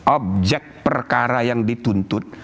objek perkara yang dituntut